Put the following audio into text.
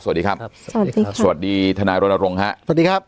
สวัสดีครับครับสวัสดีครับสวัสดีทนายรณรงค์ฮะสวัสดีครับ